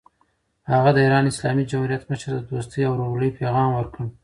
هغه د ایران اسلامي جمهوریت مشر ته د دوستۍ او ورورولۍ پیغام ورکړ.